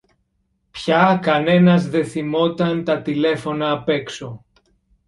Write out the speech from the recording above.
Πια κανένας δε θυμόταν τα τηλέφωνα απ’ έξω